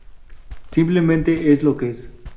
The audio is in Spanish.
Simplemente es lo que es.